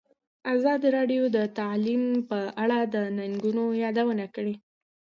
ازادي راډیو د تعلیم په اړه د ننګونو یادونه کړې.